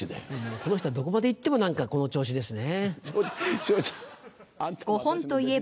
この人はどこまで行ってもこの調子ですね。